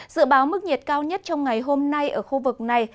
dự báo mức nhiệt cao nhất trong ngày hôm nay ở khu vực này